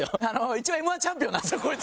一応Ｍ−１チャンピオンなんですこいつ。